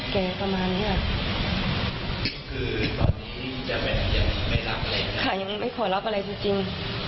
ใครไม่ขอรับอะไรจริง